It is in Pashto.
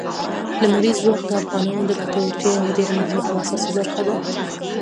لمریز ځواک د افغانانو د ګټورتیا یوه ډېره مهمه او اساسي برخه ده.